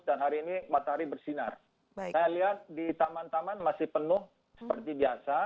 dan hari ini matahari bersinar saya lihat di taman taman masih penuh seperti biasa